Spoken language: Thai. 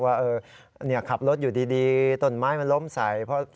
ว่าขับรถอยู่ดีต้นไม้มันล้มใส่